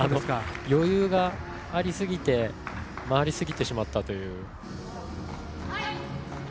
余裕がありすぎて回りすぎてしまったという。